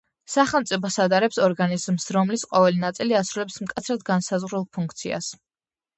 სახელმწიფოს ადარებს ორგანიზმს, რომლის ყოველი ნაწილი ასრულებს მკაცრად განსაზღვრულ ფუნქციას.